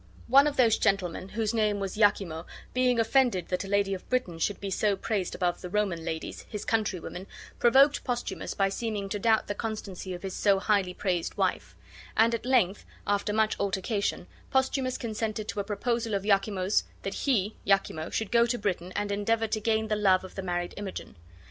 One of those gentlemen, whose name was Iachimo, being offended that a lady of Britain should be so praised above the Roman ladies, his country women, provoked Posthumus by seeming to doubt the constancy of his so highly praised wife; and at length, after much altercation, Posthumus consented to a proposal of Iachimo's that he (Iachimo) should go to Britain and endeavor to gain the love of the married Imogen.